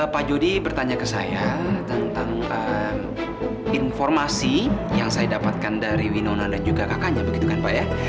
pak jody bertanya ke saya tentang informasi yang saya dapatkan dari winona dan juga kakaknya begitu kan pak ya